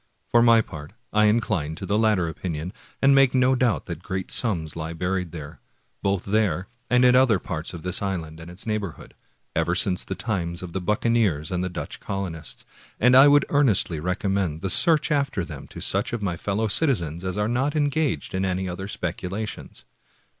For my part, I incline to the latter opinion, and make no doubt that great sums lie buried, both there and in other > A noisy throng. 2l6 Washington Irving parts of this island and its neighborhood, ever since the times of the buccaneers and the Dutch colonists; and I \Y0uld earnestly recommend the search after them to such of my fellow citizens as are not engaged in any other speculations.